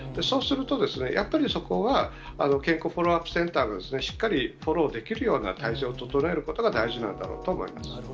そうすると、やっぱりそこは、健康フォローアップセンターが、しっかりフォローできるような体制を整えることが大事なんだろう